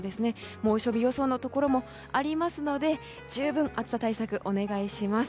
猛暑日予想のところもありますので十分、暑さ対策をお願いします。